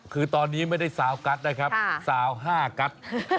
คือตอนนี้ไม่ได้ซาวกั๊ดได้ครับซาวห้ากั๊ด